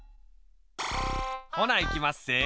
ほないきまっせ。